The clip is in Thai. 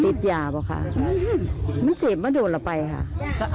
ทุกผู้ชมครับเมื่อช่วงเย็นที่ผ่านมานะฮะ